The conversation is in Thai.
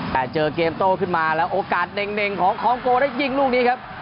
แต่เจอเกมโต้ขึ้นมาแล้วโอกาสเด่งของคองโกได้ยิงลูกนี้ครับ